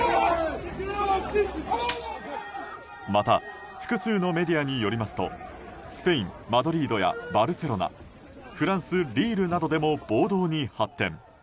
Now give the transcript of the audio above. また複数のメディアによりますとスペイン・マドリードやバルセロナフランス・リールなどでも暴動に発展。